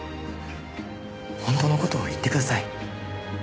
本当の事を言ってください。